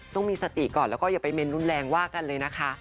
ต้องมีสติก่อนแล้วก็อย่าไปเม้นรุนแรงว่ากันเลยนะคะ